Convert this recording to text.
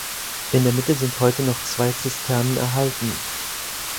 In der Mitte sind heute noch zwei Zisternen erhalten.